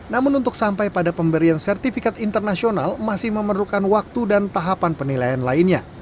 namun untuk sampai pada pemberian sertifikat internasional masih memerlukan waktu dan tahapan penilaian lainnya